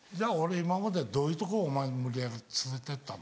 今までどういうとこお前無理やり連れて行ったの？